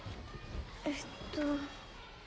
えっと。